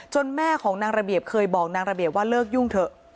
แม่ของนางระเบียบเคยบอกนางระเบียบว่าเลิกยุ่งเถอะ